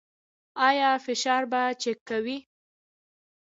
ایا فشار به چیک کوئ؟